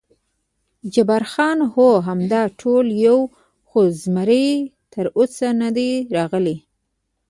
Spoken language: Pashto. جبار خان: هو، همدا ټول یو، خو زمري تراوسه نه دی راغلی.